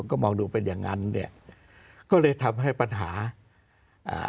ก็มองดูเป็นอย่างงั้นเนี้ยก็เลยทำให้ปัญหาอ่า